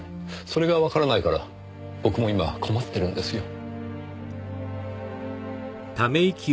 それがわからないから僕も今困ってるんですよ。